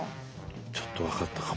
ちょっと分かったかも。